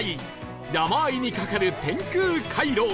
山あいに架かる天空回廊